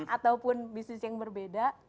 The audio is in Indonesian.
ataupun bisnis yang berbeda